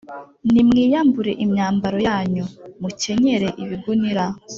nimwiyambure imyambaro yanyu, mukenyere ibigunira!